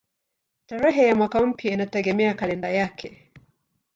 Tarehe ya mwaka mpya inategemea kalenda yake.